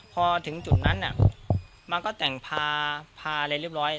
พอถึงจุดนั้นมันก็แต่งพาอะไรเรียบร้อย